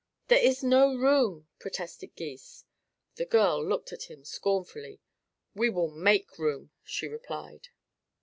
"There is no room," protested Gys. The girl looked at him scornfully. "We will make room," she replied.